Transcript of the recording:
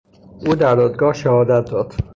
او در دادگاه شهادت داد.